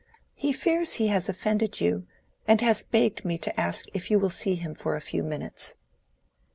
"He fears he has offended you, and has begged me to ask if you will see him for a few minutes."